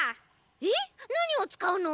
えっなにをつかうの？